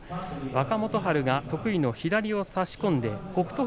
若元春、得意の左を差し込んで北勝